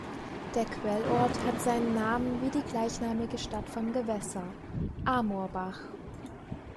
Der Quellort hat seinen Namen wie die gleichnamige Stadt vom Gewässer "Amorbach".